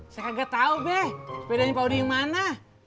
saya kagak tau be sepedanya pak odi yang mana